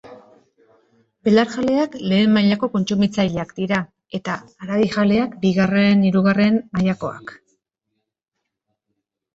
Belarjaleak lehen mailako kontsumitzaileak dira, eta haragijaleak bigarren, hirugarren... mailakoak.